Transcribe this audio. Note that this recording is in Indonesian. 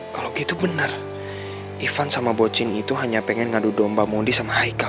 kalau gitu benar ivan sama boccine itu hanya pengen ngadu domba mondi sama haikal